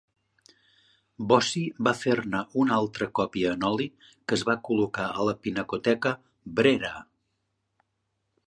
Bossi va fer-ne una altra còpia en oli, que es va col·locar a la Pinacoteca Brera.